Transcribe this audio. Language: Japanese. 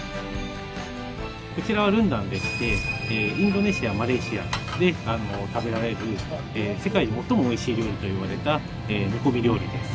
こちらはルンダンでしてインドネシアマレーシアで食べられる世界で最もおいしい料理といわれた煮込み料理です。